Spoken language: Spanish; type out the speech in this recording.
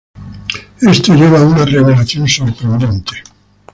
Esto lleva a una revelación sorprendente.